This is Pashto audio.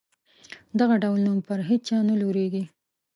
دغه ډول نوم پر هیچا نه لورېږي.